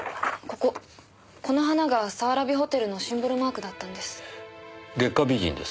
この花が早蕨ホテルのシンボルマークだったんです。